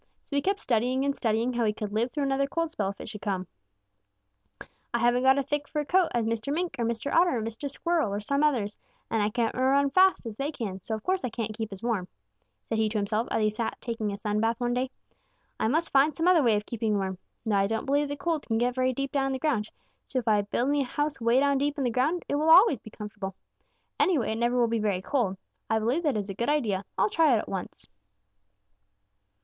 So he kept studying and studying how he could live through another cold spell, if it should come. "'I haven't got as thick a fur coat as Mr. Mink or Mr. Otter or Mr. Squirrel or some others, and I can't run around as fast as they can, so of course I can't keep as warm,' said he to himself, as he sat taking a sun bath one day. 'I must find some other way of keeping warm. Now I don't believe the cold can get very deep down in the ground, so if I build me a house way down deep in the ground, it always will be comfortable. Anyway, it never will be very cold. I believe that is a good idea. I'll try it at once.'